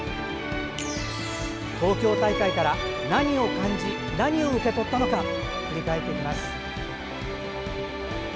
東京大会から何を感じ何を受け取ったのか振り返っていきます。